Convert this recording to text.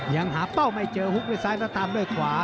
ยังหาเป้าไม่เจอฮุกด้วยซ้ายแล้วตามด้วยขวา